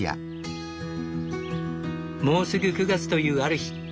もうすぐ９月というある日。